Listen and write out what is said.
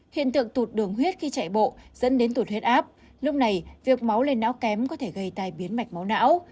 hiện tượng tụt đường huyết khi chạy bộ dẫn đến tụt huyết áp lúc này việc máu lên não kém có thể gây tai biến mạch máu não